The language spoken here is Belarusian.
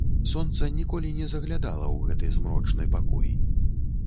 Сонца ніколі не заглядала ў гэты змрочны пакой.